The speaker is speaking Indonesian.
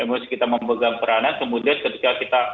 mesti kita memegang peranan kemudian ketika kita